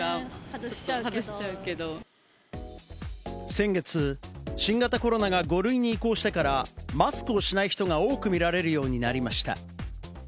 先月、新型コロナが５類に移行してから、マスクをしない人が多く見られるようになりました。